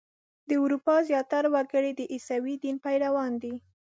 د اروپا زیاتره وګړي د عیسوي دین پیروان دي.